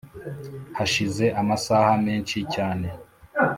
Hashize amasaha menshi cyane